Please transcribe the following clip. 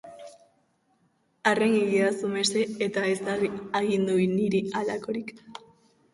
Arren, egidazu mesede eta ez agindu niri halakorik.